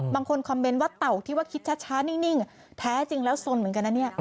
บางคนคอมเมนต์ว่าเต่าที่ว่าคิดช้านิ่งแท้จริงแล้วสนเหมือนกันนะเนี่ย